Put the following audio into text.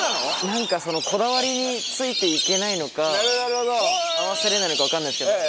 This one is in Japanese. なんかそのこだわりについていけないのか合わせられないのかわからないですけど。